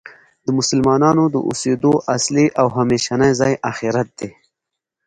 د مسلمانانو د اوسیدو اصلی او همیشنی ځای آخرت دی .